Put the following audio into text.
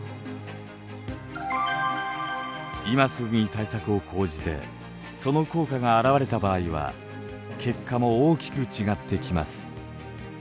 今すぐに対策を講じてその効果が表れた場合は結果も大きく違ってきます。